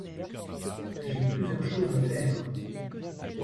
J’ai plusieurs choses à faire.